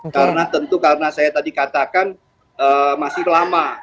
karena tentu karena saya tadi katakan masih lama